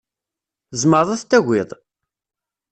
Tzemreḍ ad t-tagiḍ?